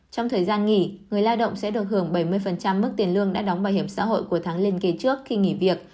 trong thời gian nghỉ người lao động sẽ được hưởng bảy mươi mức tiền lương đã đóng bảo hiểm xã hội của tháng liên kế trước khi nghỉ việc